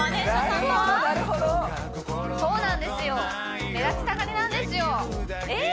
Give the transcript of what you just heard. そうなんですよえー！